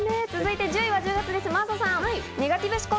１０位は１０月です、真麻さん。